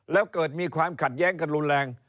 แล้วเกิดมีความขัดแย้งกันรุนแรง